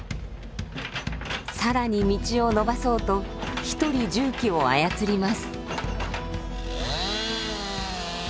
更に道を延ばそうと一人重機を操ります。